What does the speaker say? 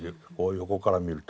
横から見ると。